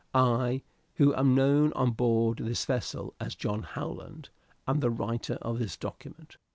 "I, who am known on board this vessel as John Howland, am the writer of this document.